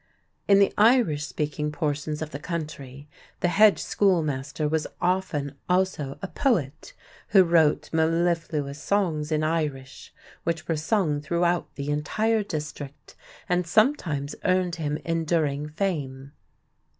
In the Irish speaking portions of the country the hedge schoolmaster was often also a poet who wrote mellifluous songs in Irish, which were sung throughout the entire district and sometimes earned him enduring fame.